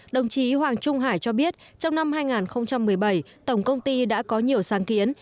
đồng chí hoàng trung hải cho biết trong năm hai nghìn một mươi bảy tổng công ty đã có nhiều sáng kiến